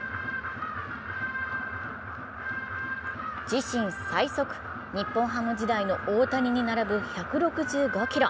自身最速、日本ハム時代の大谷に並ぶ１６５キロ。